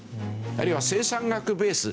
あるいは生産額ベース